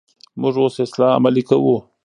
موږ اوس اصلاح عملي کوو.